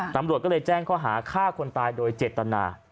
ตำรวจก็เลยแจ้งข้อหาฆ่าคนตายโดยเจตนา